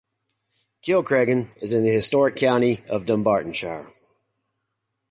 Kilcreggan is in the historic county of Dunbartonshire.